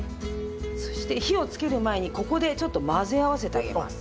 そして火をつける前にここでちょっと混ぜ合わせてあげます。